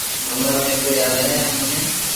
ھمج ۾ ڪوئي آوي ھي اموني